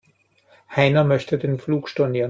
Heiner möchte den Flug stornieren.